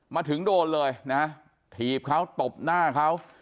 มาถึงโดนเลยนะถีบเขาตบหน้าเขา